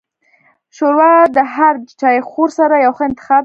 ښوروا د هر چایخوړ سره یو ښه انتخاب دی.